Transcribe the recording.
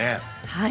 はい。